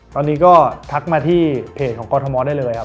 ตอนนี้ก็ทักมาที่เพจของกรทมได้เลยครับ